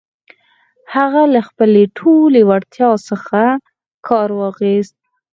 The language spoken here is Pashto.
هغه له خپلې ټولې وړتيا څخه کار واخيست.